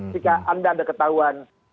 jika anda ada ketahuan